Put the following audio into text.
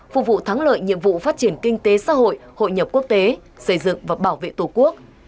phục vụ thắng lợi nhiệm vụ phát triển kinh tế xã hội hội nhập quốc tế xây dựng và bảo vệ tổ quốc